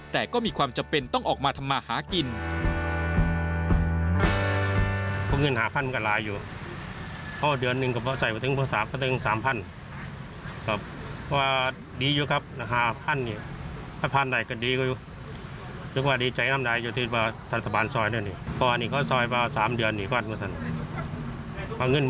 แต่ก็มีความจำเป็นต้องออกมาทำมาหากิน